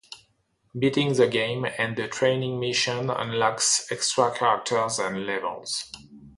Beating the game and the training missions unlocks extra characters and levels.